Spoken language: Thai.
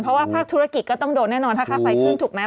เพราะว่าภาคธุรกิจก็ต้องโดนแน่นอนถ้าค่าไฟขึ้นถูกไหม